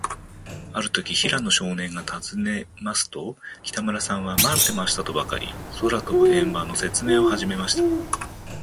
あるとき、平野少年がたずねますと、北村さんは、まってましたとばかり、空とぶ円盤のせつめいをはじめました。